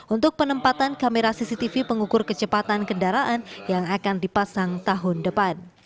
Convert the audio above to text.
untuk penempatan kamera cctv pengukur kecepatan kendaraan yang akan dipasang tahun depan